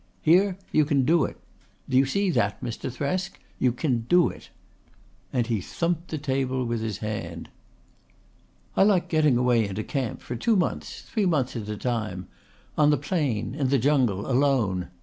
Here you can do it. Do you see that, Mr. Thresk? You can do it." And he thumped the table with his hand. "I like getting away into camp for two months, three months at a time on the plain, in the jungle, alone.